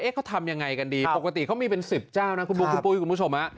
เอ๊ะเขาทำยังไงกันดีปกติเขามีเป็นสิบเจ้านะคุณปุ๊ยคุณผู้ชม